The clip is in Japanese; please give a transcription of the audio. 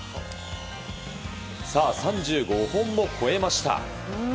さあ、３５本を超えました。